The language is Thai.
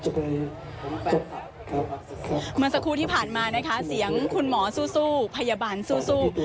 จะไปครับครับครับมาสักครู่ที่ผ่านมานะคะเสียงคุณหมอซู่ซู่พยาบาลซู่ซู่